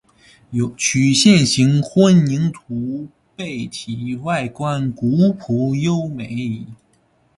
曲线形混凝土坝体外观古朴优美。